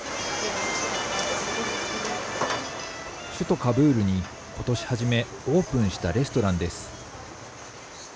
首都カブールにことし初め、オープンしたレストランです。